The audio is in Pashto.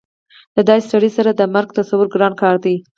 د داسې سړي سره د مرګ تصور ګران کار دی